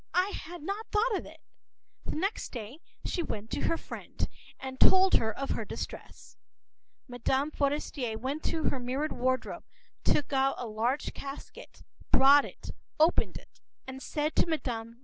I had not thought of it.”The next day she went to her friend’s and told her about her distress. Mme. Forester went to her mirrored wardrobe, took out a large casket, brought it, opened it, and said to Mme.